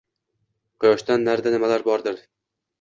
Quyoshdan narida nimalar bordir?!”